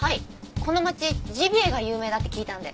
この町ジビエが有名だって聞いたんで。